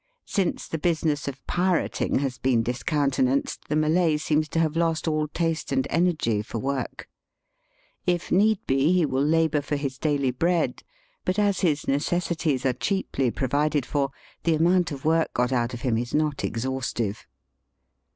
Since the business of pirating has beeli discounte nanced, the Malay seems to have lost all taste and energy for work. If need be he will labour for his daily bread, but as his necessities are cheaply provided for, the amount of work Digitized by VjOOQIC IN THE TROPICS. 125 got out of him is not exhaustive.